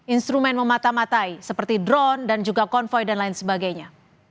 instrumen memata matai seperti drone dan juga konvoy dan lain sebagainya